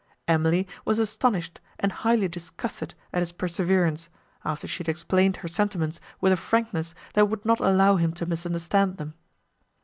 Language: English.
Emily was astonished and highly disgusted at his perseverance, after she had explained her sentiments with a frankness that would not allow him to misunderstand them.